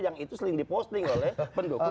yang itu seling diposting oleh pendukung satu